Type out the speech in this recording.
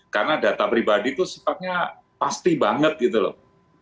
karena data pribadi itu sepatunya pasti banget gitu loh